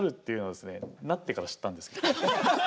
なってから知ったんです。